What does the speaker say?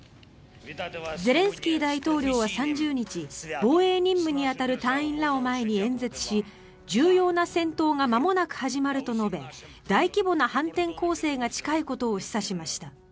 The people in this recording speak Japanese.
ゼレンスキー大統領は３０日防衛任務に当たる隊員らを前に演説し重要な戦闘がまもなく始まると述べ大規模な反転攻勢が近いことを示唆しました。